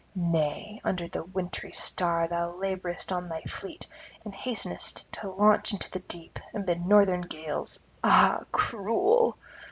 Nay, under the wintry star thou labourest on thy fleet, and hastenest to launch into the deep amid northern gales; ah, cruel!